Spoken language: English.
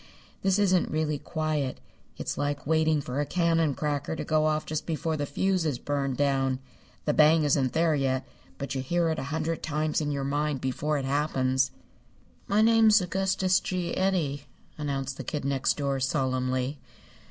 This isn't really quiet. It's like waiting for a cannon cracker to go off just before the fuse is burned down. The bang isn't there yet, but you hear it a hundred times in your mind before it happens." "My name's Augustus G. Eddy," announced the Kid Next Door, solemnly.